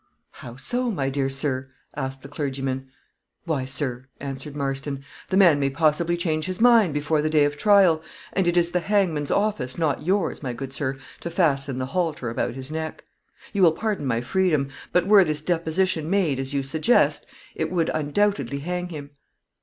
"How so, my dear sir?" asked the clergyman. "Why, sir," answered Marston, "the man may possibly change his mind before the day of trial, and it is the hangman's office, not yours, my good sir, to fasten the halter about his neck. You will pardon my freedom; but, were this deposition made as you suggest, it would undoubtedly hang him."